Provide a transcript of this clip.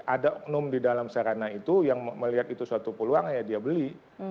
ada oknum di dalam sarana itu yang melihat itu suatu peluang ya dia beli